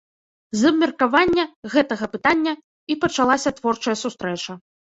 З абмеркавання гэтага пытання і пачалася творчая сустрэча.